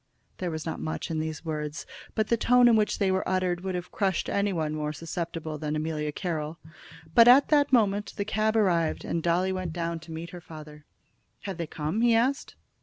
There was not much in these words, but the tone in which they were uttered would have crushed any one more susceptible than Amelia Carroll. But at that moment the cab arrived, and Dolly went down to meet her father. "Have they come?" he asked.